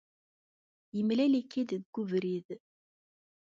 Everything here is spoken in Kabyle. Yemlal-ik-id deg ubrid.